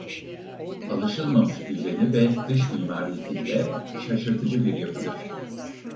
Alışılmamış düzeni ve dış mimarisiyle şaşırtıcı bir yapıdır.